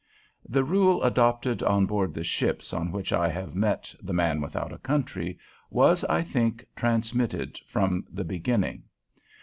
The rule adopted on board the ships on which I have met "the man without a country" was, I think, transmitted from the beginning.